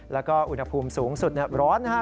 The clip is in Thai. แล้วก็อุณหภูมิสูงสุดร้อนนะครับ